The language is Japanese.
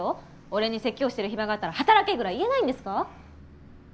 「俺に説教してる暇があったら働け」ぐらい言えないんですか？